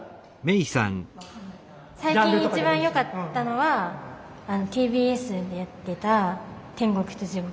最近一番良かったのはＴＢＳでやってた「天国と地獄」。